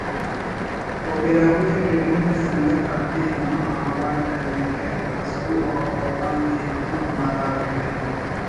و براہوئی اکیڈمی نا سنگت آتے ہم حوال کریکہ راسکوہ و اوتان ءِ ہم ماراکہ